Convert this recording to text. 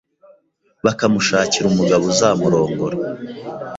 bakamushakira umugabo uzamurongora